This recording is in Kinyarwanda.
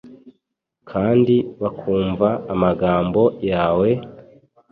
kandi bakumva amagambo yawe,